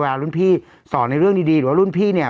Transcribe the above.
รุ่นพี่สอนในเรื่องดีหรือว่ารุ่นพี่เนี่ย